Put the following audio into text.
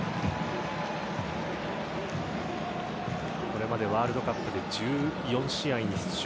これまでワールドカップで１４試合に出場。